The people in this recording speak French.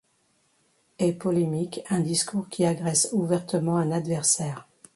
Est polémique un discours qui agresse ouvertement un adversaire.